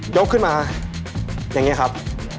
ยกขึ้นมาอย่างนี้ครับ